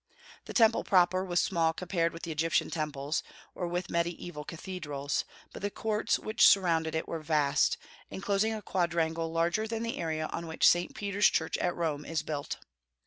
The Temple proper was small compared with the Egyptian temples, or with mediaeval cathedrals; but the courts which surrounded it were vast, enclosing a quadrangle larger than the area on which St. Peter's Church at Rome is built.